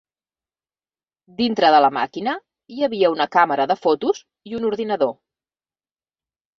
Dintre de la màquina hi havia una càmera de fotos i un ordinador.